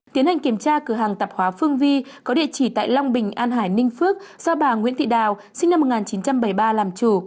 tiến hành kiểm tra cửa hàng tạp hóa phương vi có địa chỉ tại long bình an hải ninh phước do bà nguyễn thị đào sinh năm một nghìn chín trăm bảy mươi ba làm chủ